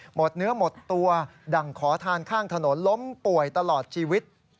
หมดเนื้อหมดตัวดั่งขอทานข้างถนนล้มป่วยตลอดชีวิต